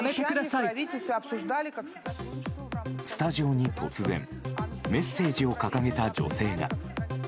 スタジオに突然メッセージを掲げた女性が。